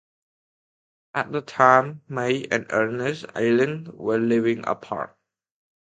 At the time, May and Ernest Aylen were living apart.